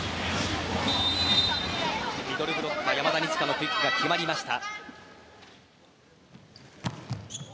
ミドルブロッカー山田二千華のクイックが決まりました。